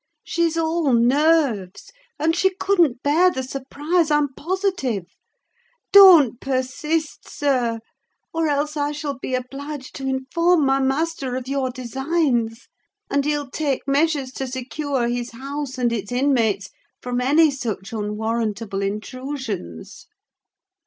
"She's all nerves, and she couldn't bear the surprise, I'm positive. Don't persist, sir! or else I shall be obliged to inform my master of your designs; and he'll take measures to secure his house and its inmates from any such unwarrantable intrusions!"